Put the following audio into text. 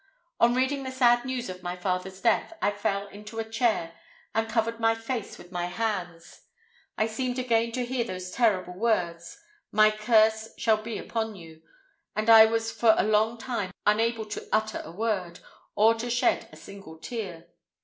On reading the sad news of my father's death, I fell into a chair, and covered my face with my hands. I seemed again to hear those terrible words, 'My curse shall be upon you,' and I was for a long time unable to utter a word, or to shed a single tear.